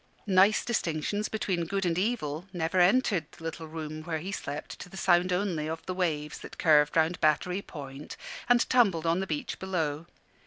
Nice distinctions between good and evil never entered the little room where he slept to the sound only of the waves that curved round Battery Point and tumbled on the beach below.